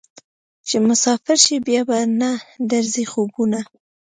چې مسافر شې بیا به نه درځي خوبونه